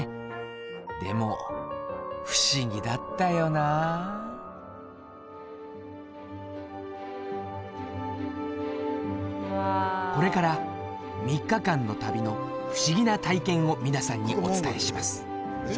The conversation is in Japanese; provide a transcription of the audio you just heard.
でも不思議だったよなこれから３日間の旅の不思議な体験を皆さんにお伝えします。